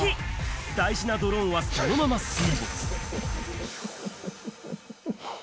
大事なドローンはそのまま水没。